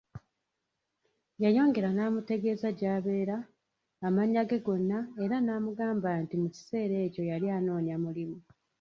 Yayongera n'amutegeeza gy'abeera, amannya ge gonna, era n'amugamba nti mu kiseera ekyo yali anoonya mulimu.